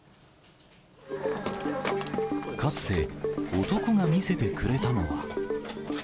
かつて男が見せてくれたのは。